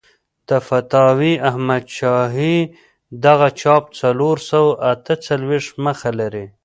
د فتاوی احمدشاهي دغه چاپ څلور سوه اته څلوېښت مخه لري.